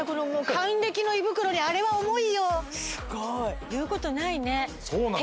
還暦の胃袋にあれは重いよすごい言うことないねそうなんです